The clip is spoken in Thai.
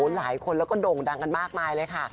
หลายคนแล้วก็โด่งดังกันมากมายเลยค่ะ